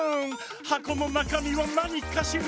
「はこのなかみはなにかしら？」